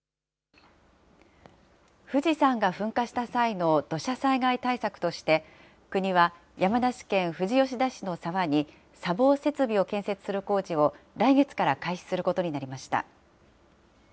富士山が噴火した際の土砂災害対策として、国は、山梨県富士吉田市の沢に砂防設備を建設する工事を来月から開始することになりました。